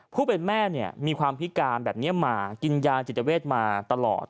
ผู้เป็นแม่เนี่ยมีความพิการแบบนี้มากินยาจิตเวทมาตลอด